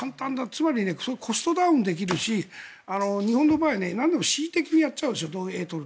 つまり、コストダウンできるし日本の場合はなんでも恣意的にやるでしょ。